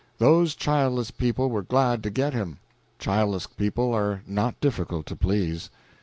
Those childless people were glad to get him. Childless people are not difficult to please.